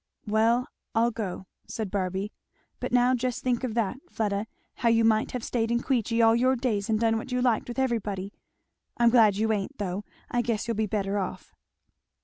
"Well, I'll go," said Barby. "But now just think of that, Fleda, how you might have stayed in Queechy all your days and done what you liked with everybody. I'm glad you ain't, though; I guess you'll be better off."